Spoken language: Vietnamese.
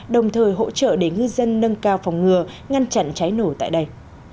đồng thời hỗ trợ để ngư dân nâng cao phòng ngừa ngăn chặn cháy nổ tại đây